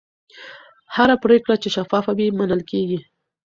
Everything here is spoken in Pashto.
هره پرېکړه چې شفافه وي، منل کېږي.